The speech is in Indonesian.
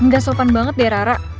gasopan banget deh rara